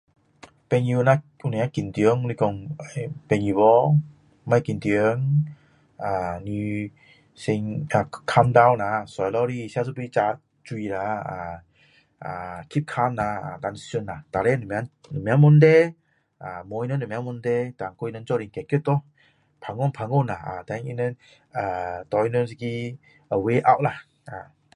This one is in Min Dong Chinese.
朋友若有什么紧张你讲欸朋友婆别紧张啊你先 calm down 啦坐下来吃一杯茶水啦啊啊 keep calm 下想下到底什么什么问题啊问他们什么问题然后跟他们一起解决咯谈讲谈讲啦然后他们啊拿他们一个 way out 啦啊